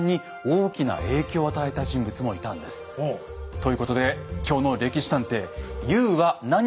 ということで今日の「歴史探偵」おい！